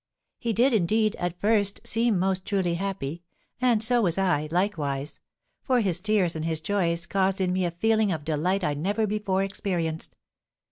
"He did, indeed, at first, seem most truly happy; and so was I, likewise; for his tears and his joys caused in me a feeling of delight I never before experienced.